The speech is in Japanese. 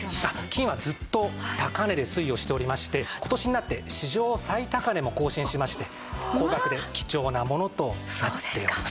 金はずっと高値で推移をしておりまして今年になって史上最高値も更新しまして高額で貴重なものとなっております。